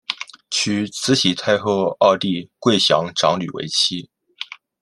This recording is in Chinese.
娶慈禧太后二弟桂祥长女为妻。